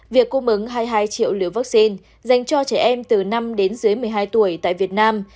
việc cung ứng hai mươi hai triệu liều vaccine dành cho trẻ em từ năm đến dưới một mươi hai tuổi tại việt nam